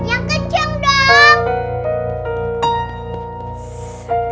yang kenceng dong